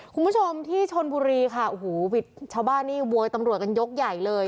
คุณผู้ชมที่ชนบุรีค่ะโอ้โหวิทย์ชาวบ้านนี่โวยตำรวจกันยกใหญ่เลย